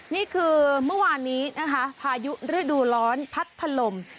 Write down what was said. นี่คือเมื่อวานนี้นะคะพายุฤดูร้อนพัดถล่ม